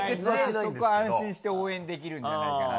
そこは安心して応援できるんじゃないかなと。